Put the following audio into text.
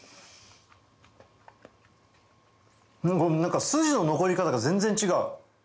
何かスジの残り方が全然違う。